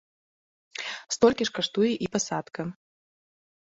Столькі ж каштуе і пасадка.